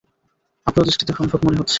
আপাতদৃষ্টিতে, সম্ভব মনে হচ্ছে।